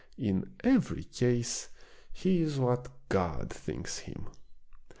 In every case he is what God thinks him.